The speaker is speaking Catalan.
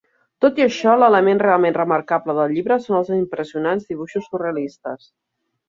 Tot i això, l'element realment remarcable del llibre són els impressionants dibuixos surrealistes.